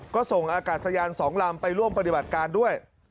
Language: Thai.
ก็ส่งอากาศยาน๒ลำไปร่วมปฏิบัติการด้วย